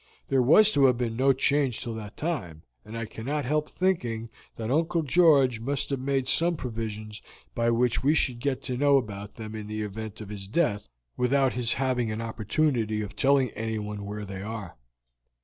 There was to have been no change till that time, and I cannot help thinking that Uncle George must have made some provisions by which we should get to know about them in the event of his death without his having an opportunity of telling anyone where they are.